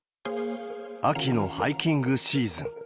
秋のハイキングシーズン。